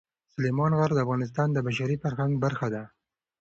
سلیمان غر د افغانستان د بشري فرهنګ برخه ده.